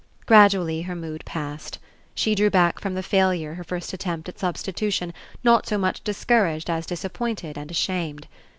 Gradually her mood passed. She drew back from the failure her first attempt at sub stitution, not so much discouraged as disap pointed and ashamed.